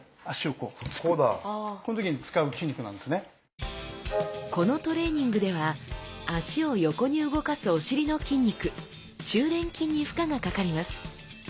このトレーニングでは脚を横に動かすお尻の筋肉中臀筋に負荷がかかります。